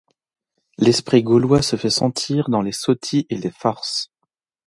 L’esprit gaulois se fait sentir dans les soties et les farces.